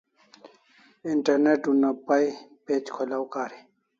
Internet una pay page kholaw kari